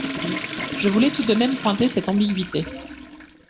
Je voulais tout de même pointer cette ambiguïté.